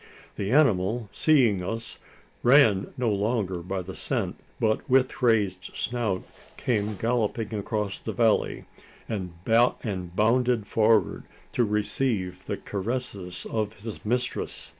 The animal, seeing us, ran no longer by the scent; but with raised snout came galloping across the valley, and bounded forward to receive the caresses of his mistress.